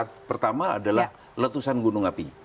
yang pertama adalah letusan gunung api